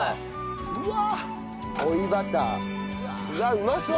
うわっうまそう！